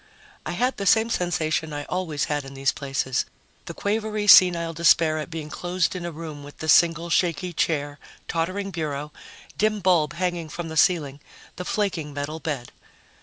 I had the same sensation I always had in these places the quavery senile despair at being closed in a room with the single shaky chair, tottering bureau, dim bulb hanging from the ceiling, the flaking metal bed.